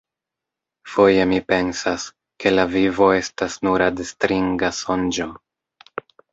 Foje mi pensas, ke la vivo estas nur adstringa sonĝo.